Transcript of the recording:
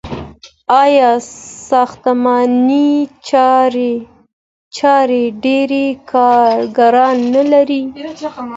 آیا ساختماني چارې ډیر کارګران نلري؟